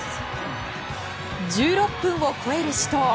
１６分を超える死闘。